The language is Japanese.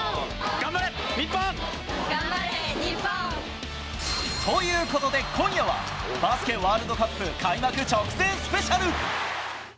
頑張れ！日本。ということで、今夜は、バスケワールドカップ開幕直前スペシャル。